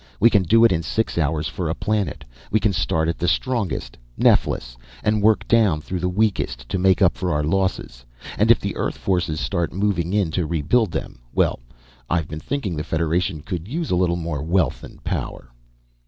"We can do it in six hours for a planet we can start at the strongest, Neflis, and work down through the weakest, to make up for our losses. And if the Earth forces start moving in to rebuild them well, I've been thinking the Federation could use a little more wealth and power!"